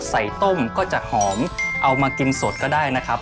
ต้มก็จะหอมเอามากินสดก็ได้นะครับ